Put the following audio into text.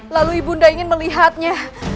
lalu ibu ingin melihatnya